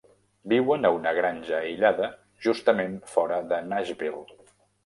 Viuen a una granja aïllada justament fora de Nashville.